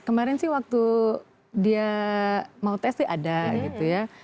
kemarin sih waktu dia mau tes sih ada gitu ya